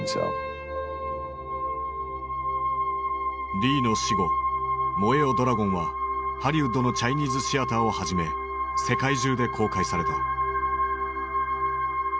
リーの死後「燃えよドラゴン」はハリウッドのチャイニーズシアターをはじめ世界中で公開された。